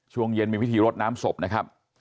ช่วงเย็นมีพิธีรดน้ำศพนะครับ